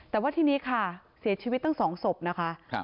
แต่ว่าทีนี้ค่ะเสียชีวิตตั้ง๒ศพนะคะ